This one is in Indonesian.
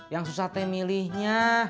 yang susah teh milihnya